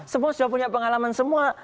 semua sudah punya pengalaman semua